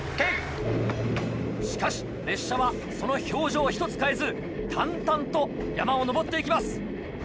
しかし列車はその表情ひとつ変えず淡々と山を上って行きます。